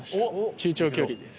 中長距離です。